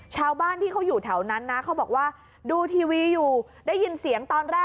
ชาวบ้านที่เขาอยู่แถวนั้นนะเขาบอกว่าดูทีวีอยู่ได้ยินเสียงตอนแรก